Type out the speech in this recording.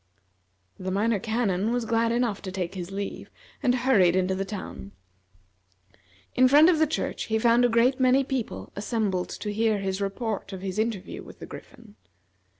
The Minor Canon was glad enough to take his leave, and hurried into the town. In front of the church he found a great many people assembled to hear his report of his interview with the Griffin.